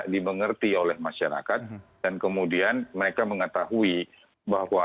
dimengerti oleh masyarakat dan kemudian mereka mengetahui bahwa